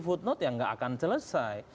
footnote yang gak akan selesai